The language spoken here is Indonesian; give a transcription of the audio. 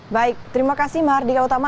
baik terima kasih mahardika utama